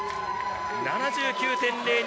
７９．０２。